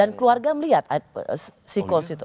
dan keluarga melihat siklus itu